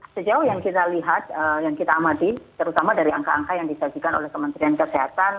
sejauh yang kita lihat yang kita amati terutama dari angka angka yang disajikan oleh kementerian kesehatan